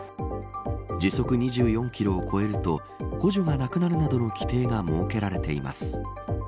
時速２４キロを超えると補助がなくなるなどの規定が設けられています。